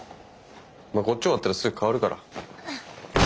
まあこっち終わったらすぐ代わるから。